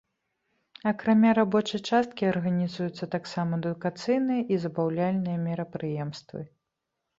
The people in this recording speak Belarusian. Акрамя рабочай часткі арганізуюцца таксама адукацыйныя і забаўляльныя мерапрыемствы.